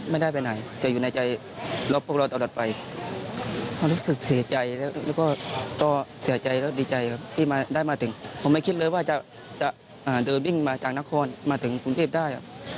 มาจากนครมาถึงกรุงเกียปได้